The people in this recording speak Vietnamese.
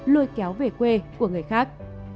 lôi kéo về quê của người khác